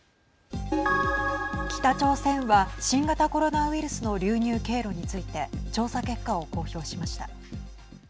北朝鮮は新型コロナウイルスの流入経路について調査結果を公表しました。